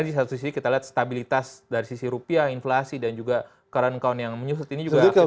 jadi di satu sisi kita lihat stabilitas dari sisi rupiah inflasi dan juga current count yang menyusut ini juga akhirnya mendukung